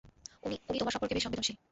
উনি - উনি তোমার সম্পর্কে বেশ সংবেদনশীল।